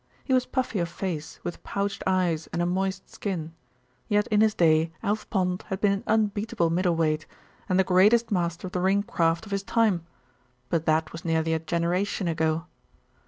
He was puffy of face, with pouched eyes and a moist skin; yet in his day Alf Pond had been an unbeatable middle weight, and the greatest master of ring craft of his time; but that was nearly a generation ago.